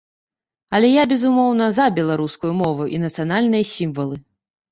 Але я, безумоўна, за беларускую мову і нацыянальныя сімвалы.